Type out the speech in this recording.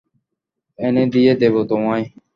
এনে দিয়ে দেবো তোমায়।